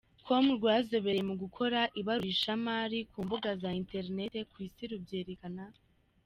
com rwazobereye mu gukora ibarurishamibare ku mbuga za internet ku isi rubyerekana.